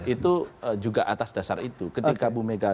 itu juga atas dasar itu ketika bumega